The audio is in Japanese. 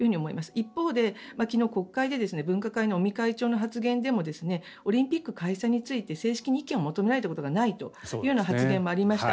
一方で昨日、国会で分科会の尾身会長の発言でもオリンピック開催について正式に意見を求められたことはないという発言もありました。